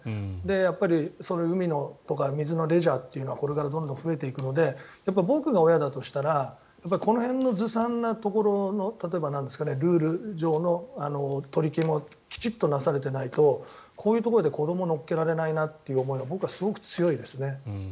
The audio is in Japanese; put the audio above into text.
やっぱり海とか水のレジャーというのはこれからどんどん増えていくので僕が親だとしたらこの辺のずさんなところの例えば、ルール上の取り決めをきちんとなされていないとこういうところで子どもを乗っけられないなという思いは僕はすごく強いですね。